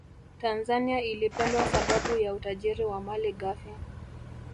tanzania ilipendwa sababu ya utajiri wa mali ghafi